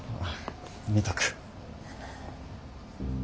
見とく。